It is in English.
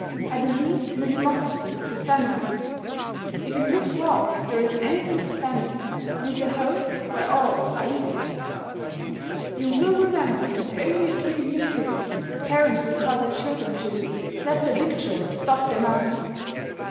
I believe in the democracy of the family. If in this world there is anything splendid, it is a home where all are equals. You will remember that only a few years ago parents would tell their children to "let their victuals stop their mouths."